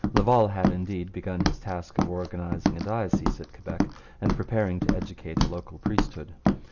Laval had, indeed, begun his task of organizing a diocese at Quebec and preparing to educate a local priesthood.